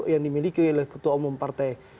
yang dimiliki oleh ketua umum partai